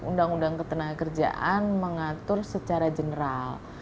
undang undang ketenaga kerjaan mengatur secara general